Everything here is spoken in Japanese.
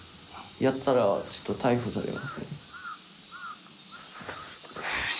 やったらちょっと逮捕される。